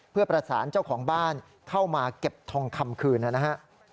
เพื่อประสานเจ้าของบ้านเข้ามาเก็บทองคำคืนนะฮะ